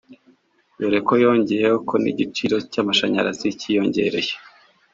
dore ko yongeyeho ko n’igiciro cy’amashanyarazi cyiyongereye